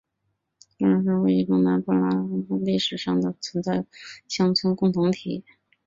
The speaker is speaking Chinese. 札德鲁加为一种南部斯拉夫民族历史上存在过的乡村共同体。